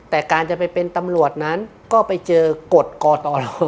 แต่การจะไปเป็นตำรวจนั้นก็ไปเจอกฎกตร